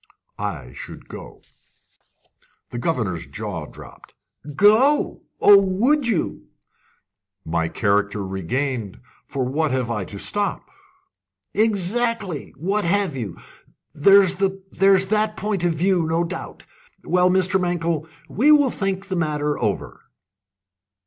"I should go." The governor's jaw dropped. "Go? Oh, would you!" "My character regained, for what have I to stop?" "Exactly. What have you? There's that point of view, no doubt. Well, Mankell, we will think the matter over."